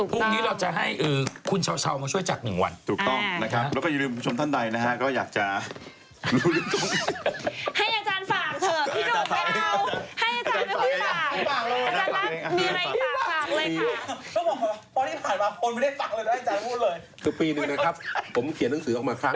พรุ่งนี้เราจะให้เออคุณเช้า